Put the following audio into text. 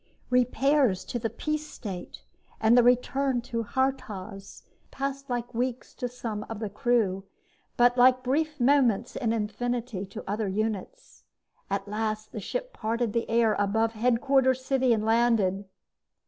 _ Repairs to the Peace State and the return to Haurtoz passed like weeks to some of the crew but like brief moments in infinity to other units. At last, the ship parted the air above Headquarters City and landed.